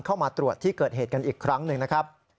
เข้ามาตรวจที่เกิดเหตุกันอีกครั้งหนึ่งนะครับ